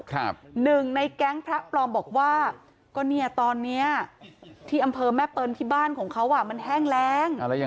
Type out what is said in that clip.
หนึ่งในแก๊งพระปลอมบอกว่าก็เนี่ยตอนเนี้ยที่อำเภอแม่เปิลที่บ้านของเขาอ่ะมันแห้งแรงอะไรอย่าง